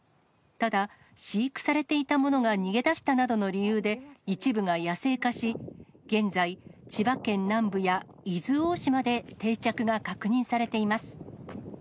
ただ、飼育されていたものが逃げ出したなどの理由で、一部が野生化し、現在、千葉県南部や伊豆大島で定着が確認されています。